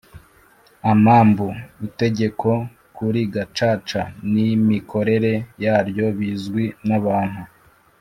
Amambu Itegeko Kuri Gacaca N Imikorere Yaryo Bizwi N Abantu